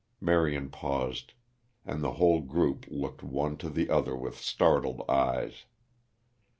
Marion paused, and the whole group looked one to the other with startled eyes.